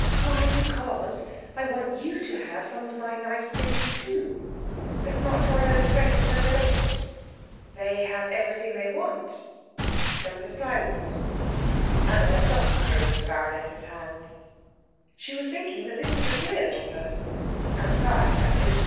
"Why, because I want you to have some of my nice things too." "But not your own friends and relations?" "They have everything they want." There was a silence. Anna left off stroking the baroness's hands. She was thinking that this was a queer little person outside, that is.